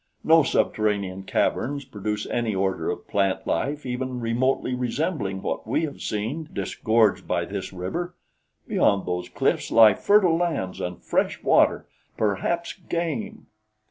No subterranean caverns produce any order of plant life even remotely resembling what we have seen disgorged by this river. Beyond those cliffs lie fertile lands and fresh water perhaps, game!"